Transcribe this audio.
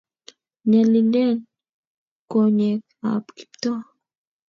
Nyalilen konyek ap Kiptoo.